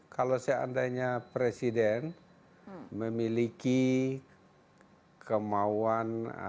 kalau seandainya presiden memiliki kemauan